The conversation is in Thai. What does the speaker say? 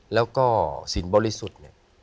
แล้วก็ศิลป์บอลิสุทธิ์